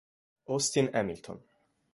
Austin Hamilton